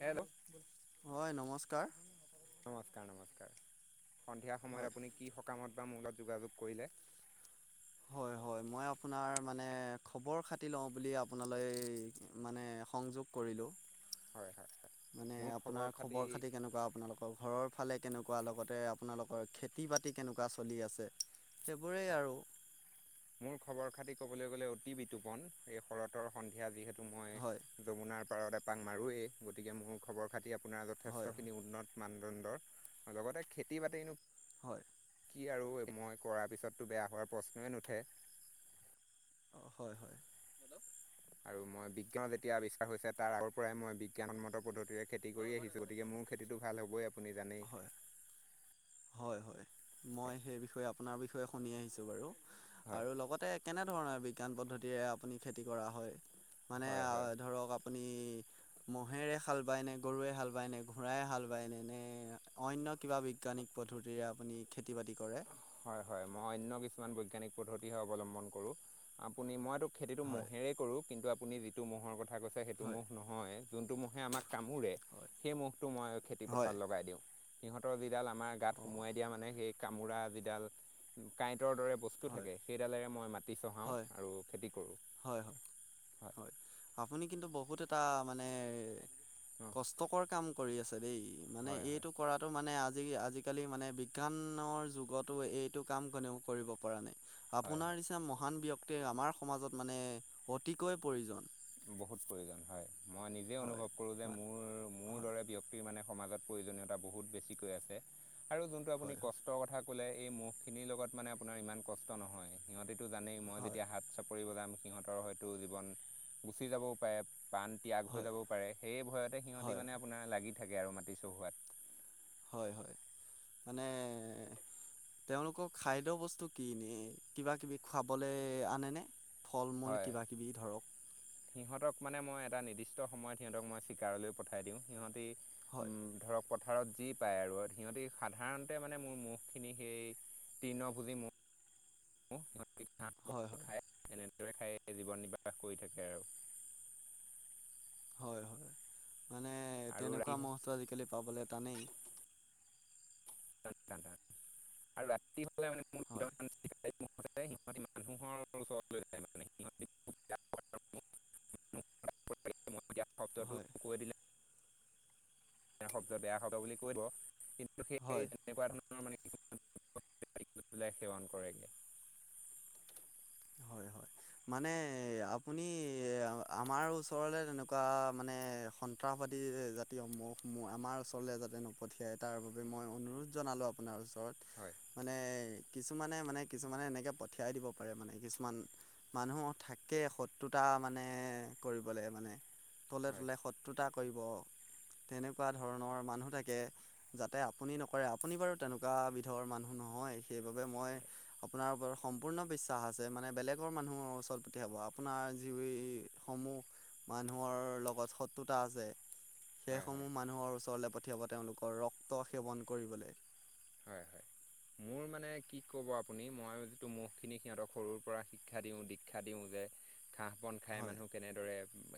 Hello, হয় নমস্কাৰ। নমস্কাৰ নমস্কাৰ সন্ধিয়া সময়ত হয় আপুনি কি সকামত বা মোৰ লগত যোগাযোগ কৰিলে? হয় হয়। মই আপোনাৰ মানে খবৰ খাতি লওঁ বুলি আপোনালৈ মানে সংযোগ কৰিলোঁ। হয় হয় হয়। মানে আপোনাৰ খবৰ খাতি কেনেকুৱা আপোনালোক? ঘৰৰ ফালে কেনেকুৱা লগতে আপোনালোকৰ খেতি বাতি কেনেকুৱা চলি আছে। সেইবোৰেই হয় আৰু। মোৰ খবৰ খাতি ক'বলৈ গ'লে অতি বিতটোপন এই শৰতৰ সন্ধিয়া যিহেতু মই হয় যমুনাৰ- পাৰ এপাং মাৰোৱেই গতিকে মোৰ খবৰ খাতি আপোনাৰ হয় যথেষ্টখিনি উন্নত। মানদণ্ডৰ লগতে খেতি বাতিনো- হয়। কি আৰু মই কৰাৰ পিছততো বেয়া হোৱাৰ প্ৰশ্নই নুঠে। হয় হয়। আৰু মই বিজ্ঞানত যেতিয়া আৱিষ্কাৰ হৈছে তাৰ আগৰ পৰাই মই বিজ্ঞান উন্মত পদ্ধতিৰে খেতি কৰি আহিছোঁ গতিকে মোৰ। খেতিটো ভাল হ'বই আপুনি জানেই। হয় হয় হয় হয় মই সেই বিষয়ে আপোনাৰ বিষয়ে শুনি আহিছো বাৰু হয় আৰু লগতে। কেনে ধৰণৰ বিজ্ঞান পদ্ধতিৰে আপুনি খেতি কৰা হয় মানে হয় হয় ধৰক আপুনি। মহেৰে হাল বায় নে গৰুৱে হাল বায় নে ঘোঁৰাই হাল বায় ন নে অন্য কিবা বৈজ্ঞানিক। পদ্ধতিৰে আপুনি খেতি বাতি কৰে। হয় হয় মই অন্য কিছুমান বৈজ্ঞানিক পদ্ধতিহে অৱলম্বন কৰোঁ আপুনি মইতো। খেতিটো হয় মইয়েই কৰোঁ কিন্তু আপুনি যিটো মহহৰ কথা- কথা কৈছে সেইটো ম হয় নহয় যোনটো মহে আমাক কামোৰে। সেই মৌহটো মই খেতি হয় পথাৰত লগাই দিওঁ। সিহঁতৰ যিডাল আমাৰ গাত অঁ সোমোৱাই দিয়া মানে সেই কামোৰা যিডাল। কাঁইটৰ দৰে বস্তু হয় থাকে সেইডালেৰে মই মাটি চহাওঁ হয় আৰু খেতি কৰোঁ। হয় হয় হয় আপুনি কিন্তু বহুতে। এটা মানে অ কষ্টকৰ কাম। কৰি আছে দেই মানে হয় হয় হয় এইটো কৰাটো মানে আজি আজি। আজিকালি মানে বিজ্ঞানৰ যুগতো এইটো কাম কোনেও কৰিব পৰা নাই হয় আপোনাৰ নিচিনা মহান মহান ব্যক্তিৰ আমাৰ সমাজত মানে অতিকৈ প্ৰয়োজন বহুত প্ৰয়োজন হয় মই নিজেই হয় অনুভৱ কৰোঁ যে মান মোৰ মোৰ হয় দৰে ব্যক্তিৰ মানে সমাজত। প্ৰয়োজনীয়তা বহুত বেছিকৈ আছে আৰু যোনটো আপুনি হয় ক সতৰ কথা ক'লে এই মহখিনিৰ লগত মানে আপোনাৰ ইমান কষ্ট নহয়। সিহঁতেতো জানেই মই হয় যেতিয়া হাত চাপৰি বজাম সিহঁতৰ হয়তো জীৱন। গুচি যাবও পাৰে পাণ ত্যাগ হৈ হয় যাবও পাৰে সেই ভয়তে সিহঁতি হয় মানে আপোনাৰ লাগি। থাকে আৰু মাটি চহোৱাত। হয় হয় মানে। তেওঁলোকৰ খাদ্য বস্তু ক ন কিবা কিবি খুৱাবলৈ আনেনে। ফল মূল হয় কিবাকিবি ধৰক। সিহঁতক মানে মই এটা নিৰ্দিষ্ট সময়ত সিহঁতক মই চিকাৰলৈ পঠাই দিওঁ সিহঁতি। হয় উম ধৰক। পথাৰত যি পায় আৰু সিহঁতি সাধাৰণতে মানে মোৰ মহখিনি সেই তীৰ্ণ ভোজি মহ [unintelligible] হয় হয়। খায় এনেদৰে খাই জীৱন নিৰ্বাহ কৰি থাকে আৰু। হয় মানে আৰু ৰাতি তেনেকুৱা ম'হটো আজিকালি পাবলৈ টানেই। হয় [unintelligible] [unintelligible] হয় [unintelligible] বেয়া শব্দ বেয়া শব্দ বুলি কৈব কিন্তু। সেই হয় তেনেকুৱা ধৰণৰ মানে কিমানৰ পেলাই সেৱন কৰেগে হয় মানে আপুনি আমাৰ ওচৰলে তেনেকুৱা মানে। সন্ত্ৰাসবাদী জাতিয় মহসমূহ আমাৰ ওচৰলৈ যাতে নপঠিয়াই তাৰ বাবে মই অনুৰোধ জনালোঁ আপোনাৰ ওচৰত ওচৰত হয় মানে কিছুমানে মানে কিছুমানে এনেকৈ পঠিয়াই দিব পাৰে মানে। কিছুমান মানুহ থাকে শত্ৰুতা মানে কৰিবলৈ মানে। তলে হয় তলে শত্ৰুতা কৰিব তেনেকুৱা ধৰণৰ মানুহ থাকে। যাতে আপুনি নকৰে আপুনি বাৰু তেনেকুৱা বিধৰ মানুহ নহয় সেইবাবে মই। হয় আপোনাৰ ওপৰত সম্পূৰ্ণ বিশ্বাস আছে। যে মানে বেলেগৰ মানুহৰ ওচৰত পুঠিয়াব আপোনাৰ যিসমূহ। মানুহৰ লগত শত্ৰুতা আছে। হয় হয় সেইসমূহ মানুহৰ ওচৰলে পঠিয়াব তেওঁলোকৰ ৰক্ত সেৱন কৰিবলৈ। হয় হয় [inaudible] মোৰ মানে কি ক'ব আপুনি মই যিটো মহখিনি সিহঁতক সৰুৰ পৰা শিক্ষা দিওঁ দীক্ষা দিওঁ যে। ঘাঁহ বন খাই হয় মানুহ কেনেদৰে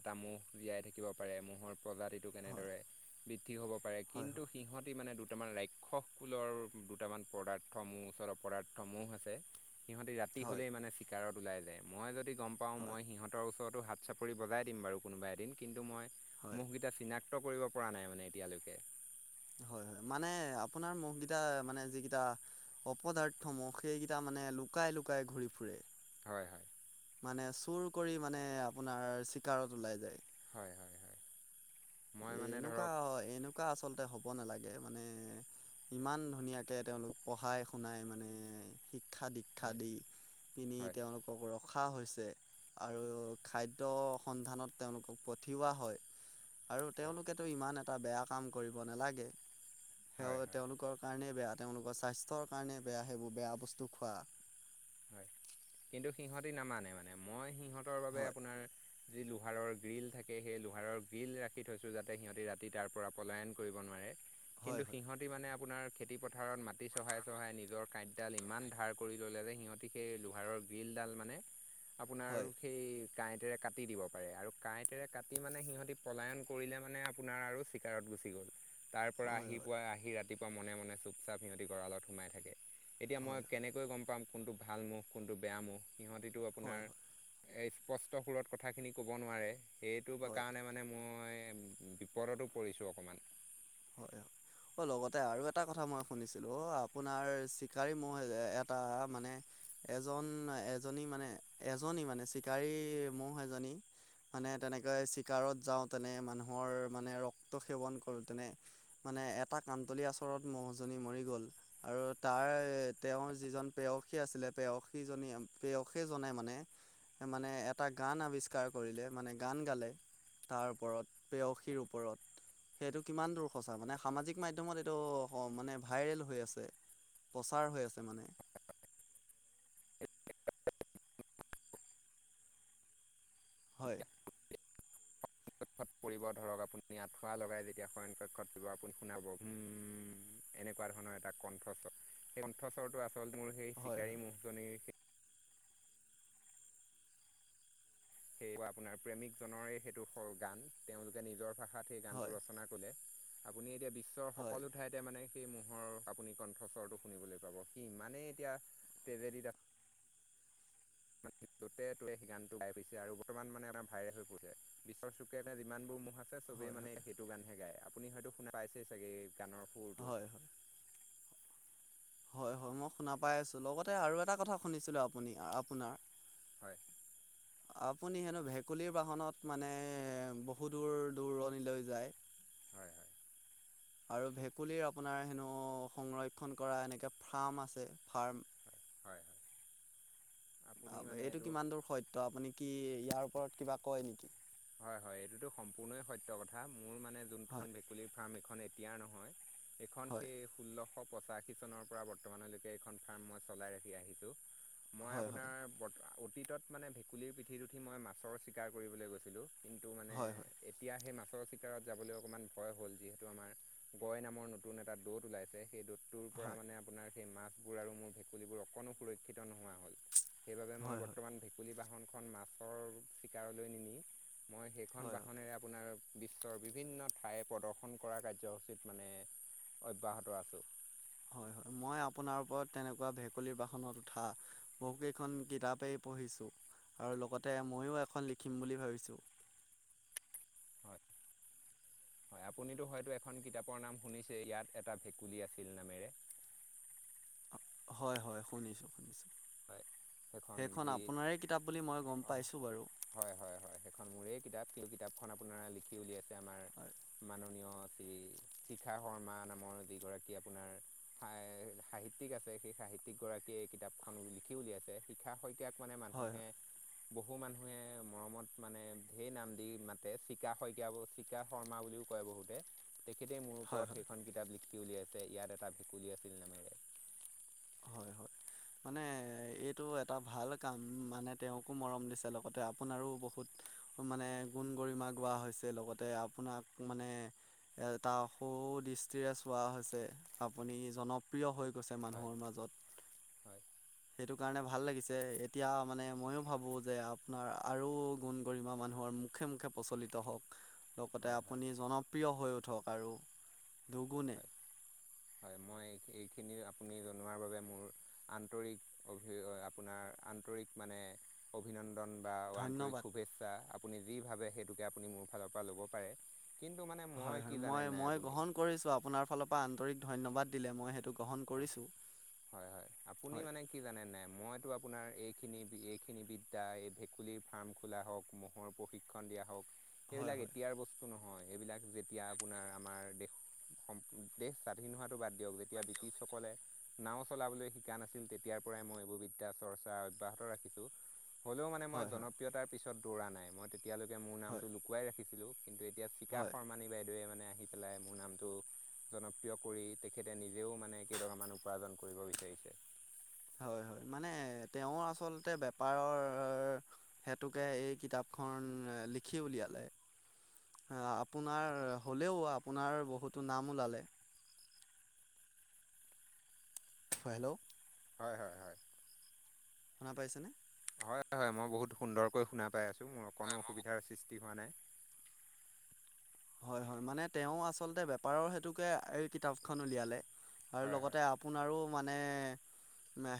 এটা মহ জীয়াই থাকিব পাৰে মৰ। প্ৰজাতিটো হয় কেনেদৰে বৃদ্ধি হ'ব পাৰে হয় কিন্তু হয় সিহঁতি মানে দুটামান ৰাক্ষস। স্কুলৰ দুটামান পদাৰ্থ মো ওচৰত অপদাৰ্থ মোহ আছে সিহঁতি ৰাতি হয় হ'লেই মানে। চিকাৰত ওলাই যায় মই যদি গম পাওঁ হয় মই সিহতৰ ওচৰতো হাত চাপৰি পৰি বজাই দিম বাৰু কোনোবা এদিন কিন্তু মই হয় মুহকেইটা চিনাক্ত কৰিব পৰা নাই মানে এতিয়ালৈকে। হয় হয় মানে আপোনাৰ মুহকেইটা মানে যিকেইটা। অপদাৰ্থ মহ সেইকেইটা মানে লুকাই লুকাই ঘূৰি ফুৰে। হয় হয়। মানে চুৰ কৰি মানে আপোনাৰ চিকাৰত ওলাই যায়। হয়, হয়, হয়। মই মানে এনেকুৱা, ধৰক এনেকুৱা আচলতে হ'ব নালাগে মানে। ইমান ধুনীয়াকে তেওঁলোক পঢ়াই-শুনাই মানে শিক্ষ শিক্ষা-দীক্ষা হয় দি পিনি হয় তেওঁলোকক ৰ ৰখা হৈছে আৰু খাদ্যৰ সন্ধানত তেওঁলোকক পঠিওৱা হয়। আৰু তেওঁলোকেতো ইমান এটা বেয়া কাম কৰিব নালাগে। সে হয় হয় তেওঁলোকৰ কাৰণেই বেয়া। তেওঁলোকৰ স্বাস্থ্যৰ কাৰণে বেয়া, সেইবোৰ বেয়া বস্তু খোৱা। হয়। কিন্তু সিহঁতি নামানে মানে মই সিহঁতৰ বাবে হয় আপোনাৰ যি লোহাৰৰ গ্ৰীল থাকে, সেই লোহাৰৰ গ্ৰীল ৰাখি থৈছোঁ। যাতে সিহঁতে ৰাতি তাৰ পৰা পলায়ন কৰিব নোৱাৰে। কিন্তু হয় সিহঁত হয় সিহঁতি মানে আপোনাৰ খেতি পথাৰত মাটি চহাই-চহাই নিজৰ কাঁডডাল ইমান ধাৰ কৰি ল'লে যে সিহঁত গতিকে সেই লোহাৰৰ বিলডাল মানে আপোনাৰ হয় সেই কাঁইটেৰে কাটি দিব পাৰে আৰু কাঁইটেৰে কাটি মানে সিহঁতি পলায়ন কৰিলে মানে আপোনাৰ আৰু চিকাৰত গুচি গ'ল। তাৰ পৰা হয় আহি হয় পুৱা আহি ৰাতি ৰাতিপুৱা মনে-মনে, চুপচাপ সিহঁতি গঁড়ালত সোমাই থাকে। এতিয়া মই হয় কেনেকৈ গম পাম কোনটো ভাল মহ, কোনটো বেয়া মহ, সিহঁতিটো হয় হয় আপোনাৰ হয় এই স্পষ্ট সুৰত কথাখিনি ক'ব নোৱাৰে। সেইটো হয় কাৰণে মানে মই বিপদতো পৰিছোঁ অকণমান। হয়, হয়। অ, লগতে আৰু এটা কথা মই শুনিছিলোঁ অ, আপোনাৰ চিকাৰী মহ এটা মানে এজন, এজনী মানে, এজনী মানে চিকাৰী মহ এজনী মানে তেনেকৈ চিকাৰত যাওঁ। তেনে মানুহৰ মানে ৰক্ত সেৱন কৰোঁতেনে মানে এটা কানতলীয়া চৰত মহজনী মৰি গ'ল। আৰু তাৰ, তেওঁৰ যিজন প্ৰেয়সী আছিলে, প্ৰেয়সী জনী, প্ৰয়সী জনে মানে মানে এটা গান আৱিষ্কাৰ কৰিলে মানে গান গালে। তাৰ ওপৰত, প্ৰেয়সীৰ ওপৰত সেইটো কিমান দূৰ সঁচা মানে সামাজিক মাধ্যমত এইটো মানে ভাইৰেল হৈ আছে। প্ৰচাৰ হৈ আছে মানে। হয়। ক'ত পৰিব ধৰক আপুনি আঁঠুৱা লগাই যেতিয়া শয়ন কক্ষত পৰিব আপুনি শুনাব উম' এনেকুৱা ধৰণৰ এটা কণ্ঠস্বৰ সেই কণ্ঠস্বৰটো আছে আচল মোৰ সেই হয় চিকাৰী মহজনীৰ সেই আপোনাৰ প্ৰেমিক জনৰে সেইটো ফৰ গান, তেওঁলোকে নিজৰ ভাষা ভাষাত সেই গানটো হয় ৰচনা কৰিলে। আপুনি এতিয়া বিশ্বৰ হয় সকলো ঠাইত তে মানে সেই মহৰ আপুনি কণ্ঠস্বৰটো শুনিবলৈ পাব। সি ইমানেই এতিয়া তেজেদিত আছে ান য'তে ততে সেই গান টো গাই ফুৰিছে, আৰু বৰ্তমান মানে এটা ভাইৰেল হৈ পৰিছে। বিশ্ব চুবুৰীত এতিয়া যিমানবোৰ মহ আছে, চবেই হয় মানে সেইটো গানহে গায়। আপুনি হয়তো শুনা পাইছেই চাগে এই গানৰ হয় সুৰটো। হয় হয়-হয় মই শুনা পাই আছোঁ। লগতে আৰু এটা কথা শুনিছিলোঁ আপুনি, আপোনাৰ হয়। আপুনি হেনো ভেকুলীৰ বাহনত মানে বহু দূৰ -দূৰণিলৈ যায়। হয় হয়। আৰু ভেকুলীৰ আপোনাৰ হেনো সংৰক্ষণ কৰা এনেকে ফাৰ্ম আছে ফাৰ্ম। হয় হয় হয় আপুনি মানে এইটো কিমান দূৰ সত্য, আপুনি কি ইয়াৰ ওপৰত কিবা কয় নেকি? হয়-হয় এইটোতো সম্পূৰ্ণয়ে সত্য কথা, মোৰ মানে হয় যোনখন ভেকুলীৰ ফাৰ্ম এইখন ইয়াৰ নহয় এইখন হয় সেই ষোল্লশ পছাশী চনৰ পৰা বৰ্তমানলৈকে এইখন ফাৰ্ম মই চলাই ৰাখি আহিছোঁ। মই হয় হয় আপোনাৰ ব অতীতত মানে ভেকুলীৰ পিঠিত উঠি মই মাছৰ চিকাৰ কৰিবলৈ গৈছিলোঁ। কিন্তু মানে হয় হয় এতিয়া সেই মাছৰ চিকাৰত যাবলৈ অকণমান ভয় হ'ল। যিহেতু আমাৰ গৈ নামৰ নতুন এটা দ'ত ওলাইছে। সেই দূতটোৰ পৰা হয় মানে আপোনাৰ সেই মাছবোৰ আৰু মোৰ ভেকুলীবোৰ অকণো সুৰক্ষিত নোহোৱা হ'ল। সেইবাবে মই হয় হয় বৰ্তমান ভেকুলী বাহনখন মাছৰ চিকাৰলৈ নিনি মই সেইখন হয় বাহনেৰে আপোনাৰ বিশ্বৰ বিভিন্ন ঠাই প্ৰদৰ্শন কৰা কাৰ্যসূচীত মানে অব্যাহত আছোঁ। হয় - হয়, মই আপোনাৰ ওপৰত তেনেকুৱা ভেকুলীৰ বাহনত উঠা বহুকেইখন কিতাপেই পঢ়িছোঁ আৰু লগতে মইয়ো এখন লিখিম বুলি ভাবিছোঁ। হয়। উ। হয়, আপুনিতো হয়তো এখন কিতাপৰ নাম শুনিছে, ইয়াত এটা ভেকুলী আছিল নামেৰে। হয় - হয়, শুনিছোঁ - শুনিছোঁ। হয় সেইখন যি আপোনাৰে কি তাপ বুলি মই গম অহ, পাইছোঁ বাৰু। হয় - হয় - হয়, সেইখন মোৰে কিতাপ। কিন্তু কিতাপখন আপোনাৰ লিখি উলিয়াইছে আমাৰ হয় মাননীয় শ্ৰী শিখা শৰ্মা নামৰ যিগৰাকী আপোনাৰ সাই- সাহিত্যিক আছে। সেই সাহিত্যিকগৰাকীয়ে এই কিতাপখন লিখি উলিয়াইছে। শিখা শই কীয়াক মানে হয় মানুহে বহু মানুহে মৰমত মানে ঢেৰ নাম দি মাতে, চিকা শইকীয়া, চিকা শৰ্মা বুলিও কয় বহুতে। তেখেতে মোৰ হয় ওপৰত হয় সেইখন কিতাপ লিখি উলিয়াইছে, ইয়াত এটা ভেকুলী আছিল নামেৰে। হয় - হয়। মানে এইটো এটা ভাল কাম, মানে তেওঁকো মৰম দিছে, লগতে আপোনাৰো বহুত মানে গুণ-গৰিমা গোৱা হৈছে, লগতে আপোনাক মানে এটা সু-দৃষ্টিৰে চোৱা হৈছে, আপুনি জনপ্ৰিয় হৈ গৈছে হয় মানুহৰ মাজত। হয় সেইটো কাৰণে ভাল লাগিছে। এতিয়া মানে ময়ো ভাবোঁ যে আপোনাৰ আৰু গুণ-গৰিমা মানুহৰ মু মুখে - মুখে প্ৰচলিত হওঁক, লগতে হয় হয় আপুনি জনপ্ৰিয় হৈ উঠক আৰু দুগুণে হয় হয়, মই এইখিনি আপুনি জনোৱাৰ বাবে মোৰ আন্তৰিক অভি- অ'- আপোনাৰ আন্তৰিক মানে অভিনন্দন বা আন্তৰিক ধন্যবাদ শুভেচ্ছা। আপুনি যি ভাবে সেইটোকে আপুনি মোৰ ফালৰপৰা ল'ব পাৰে। কিন্তু মানে হয় মই হয় কি জানে নাই মই আপুনি? গ্ৰহণ কৰিছোঁ। আপোনাৰ ফালৰ পৰা আন্তৰিক ধন্যবাদ দিলে, মই সেইটো গ্ৰহণ কৰিছোঁ। হয় হয় আপুনি হয় মানে কি জানে নাই? মইতো আপোনাৰ এইখিনি- এইখিনি বিদ্যা, এই ভেকুলীৰ ফাৰ্ম খোলা হওঁক মহৰ প্ৰশিক্ষণ দিয়া হওঁক, হয় এইবিলাক হয় এতিয়াৰ বস্তু ন হয়। এইবিলাক যেতিয়া আপোনাৰ আমাৰ দেশ স- দেশ স্বাধীন হোৱাটো বাদ দিয়ক। যেতিয়া ব্ৰি টিছসকলে নাও চলাবলৈ শিকা নাছিল, তেতিয়াৰ পৰাই মই এইবোৰ বিদ্যা, চৰ্চা অব্যাহত ৰাখিছোঁ। হ'লেও মানে মই হয় হয় জনপ্ৰিয়তাৰ পিছত দৌৰা নাই। মই তেতিয়ালৈকে মোৰ হয় নামটো লুকুৱাই ৰাখিছিলো। কিন্তু এতিয়া চিকা হয় শৰ্মানী বাইদেৱে মানে আহি পেলাই মোৰ নামটো জনপ্ৰিয় কৰি তেখেতে নি জেও মানে কেইটকামান উপাৰ্জন কৰিব বিচাৰিছে। হয় - হয়, মানে তেওঁ আচলতে বেপাৰৰ সেতুকে এই কিতাপখন লিখি উলিয়ালে। আপোনাৰ হ'লেও আপোনাৰ বহুতো নাম ওলালে। হেল্ল'? হয় - হয় - হয়। শুনা পাইছেনে? হয় - হয়, মই বহুত সুন্দৰকৈ শুনা পাই আছোঁ। মোৰ অকণো অসুবিধাৰ সৃষ্টি হোৱা নাই। হয় - হয়, মানে তেওঁ আচলতে বেপাৰৰ হেতুকে এই কিতাপখন উলিয়ালে। আৰু হয় হয় লগতে আ পুনাৰো মানে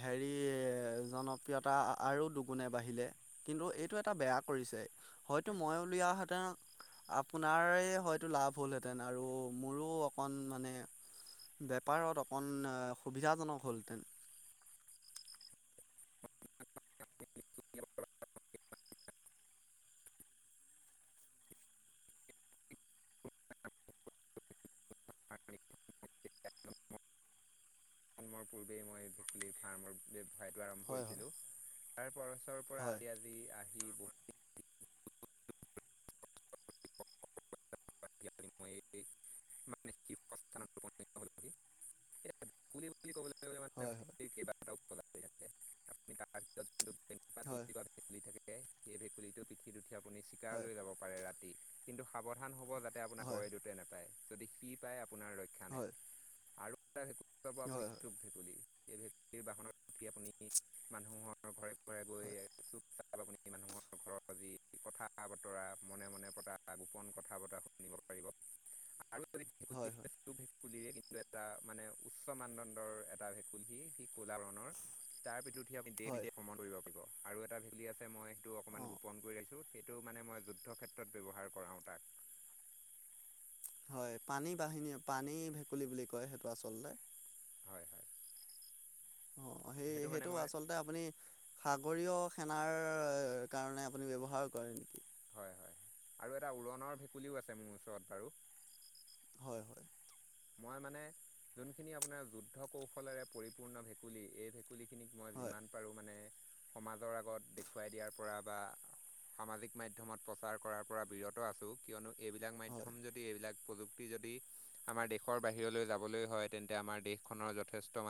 হেৰি এ- জনপ্ৰিয়তা আৰু দুগুণে বাঢ়িলে। কিন্তু এইটো এটা বেয়া কৰিছে। হয়তো মই উলিওৱাহেঁতেন আপোনাৰ এই হয়তো লাভ হ'লহেঁতেন। আৰু মোৰো অকন মানে বেপাৰত অকন অ'- সুবিধাজনক হ'লহেতেন। জন্মৰ পূৰ্বেই মই ভেকুলীৰ ফাৰ্মৰ ব্যৱসায়টো আৰম্ভ হয় হয় কৰিছিলো তাৰ পৰছৰ পৰা হয় আজি আজি আহি বহুত [unintelligible] উপনিত হলোহি [unintelligible] পুুলি বুলি কবলৈ [unintelligible] হয় হয়। ভেকুলীৰ কেইবাটাও পজাতি আছে আমি তাৰ ভিতৰত যোনটো হয়। এনেকোৱা ভেকুলী থাকে সেই ভেকুলীটো পিঠি উঠি আপুনি হয় চিকাৰলৈ যাব পাৰে ৰাতি। কিন্তু সাৱধান হব যাতে আপোনাৰ হয় গয় দুতে নোপায় যদি সি পায় আপোনাৰ ৰক্ষা নাই হয়। আৰু এটা ভেকুলী পাব‌ হয় আপুনি হয় চুক ভেকু লি এই ভেকুলী বাহনত উঠি আপুনি মানুহৰ ঘৰে ঘৰে গৈ হয়। চুপচাপ আপুনি মানুহৰ ঘৰৰ যি কথা বতৰা মনে মনে পতা গোপন কথা বতৰা শুনিব পাৰিব। আৰু হয় হয়। চোক ভেকুলীৰে কিন্তু এটা মানে উচ্চ মানদণ্ডৰ এটা ভেকুলী সি কোলাবৰণৰ তাৰ পিঠিত উঠি আপুনি দেশ হয় বিদেশ ভ্ৰমণ কৰিব। পাৰিব আৰু এটা ভেলী আছে মই সেইটো অকণমান অঁ গোপন কৰি ৰাখছোঁ সেইটো মানে মই যুদ্ধ ক্ষেত্ৰত ব্যৱহাৰ কৰাওঁ তাক। হয় পানী বাহিনী পানী ভেকুলী বুলি কয় সেইটো আচলতে। হয় হয়। অ সেই মানে সেইটো মই আচল তে আপুনি সাগৰীয় সেনাৰ কাৰণে আপুনি ব্যৱহাৰ কৰে নেকি? হয় হয় হয় আৰু এটা উৰণনৰ ভেকুলীও আছে মোৰ ওচৰত বাৰু। হয় হয়। মই মানে যোনখিনি আপোনাৰ যুদ্ধ কৌশলেৰে পৰিপূৰ্ণ ভেকুলী এই ভেকু ভেকুলীখিনিক মই হয় যিমান পাৰোঁ মানে সমাজৰ আগত দেখুৱাই দিয়াৰ পৰা বা সামাজিক মাধ্যয়মত প্ৰচাৰ কৰাৰ পৰা বিৰত আছো। কিয়নো এইবিলাক হয়। মাধ্যম যদি এইবিলাক প্ৰযুক্তি যদি আমাৰ দেশ দেশৰ বাহিৰলৈ যাবলৈ হয় তেন্তে আমাৰ দেশখনৰ যথেষ্ট মান